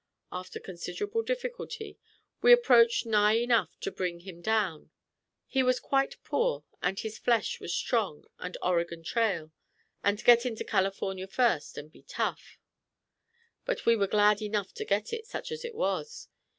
After considerable difficulty we approached nigh enough to bring him down. He was quite poor, and his flesh was strong and Oregon trail, and get into California first, and be tough; but we were glad enough to get it, such as it was.